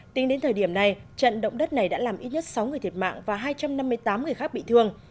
tính đến thời điểm này trận động đất này đã làm ít nhất sáu người thiệt mạng và hai trăm năm mươi tám người khác bị thương